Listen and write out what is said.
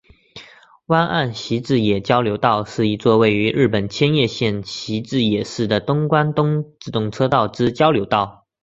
湾岸习志野交流道是一座位于日本千叶县习志野市的东关东自动车道之交流道。